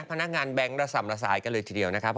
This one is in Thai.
พนักงานแบงก์เราสำระสายกันเลยทีเดียวนะ